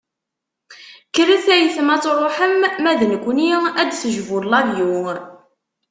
Kkret ay ayetma ad truḥem, ma d nekkni ad d-tejbu lavyu.